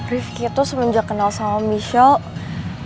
rifki itu semenjak kenal sama michelle